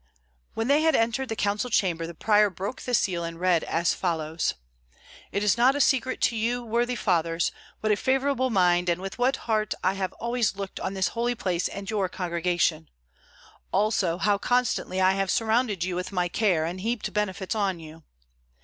When they had entered the council chamber, the prior broke the seal and read as follows: "It is not a secret to you, worthy fathers, with what favorable mind and with what heart I have always looked on this holy place and your Congregation; also, how constantly I have surrounded you with my care and heaped benefits on you.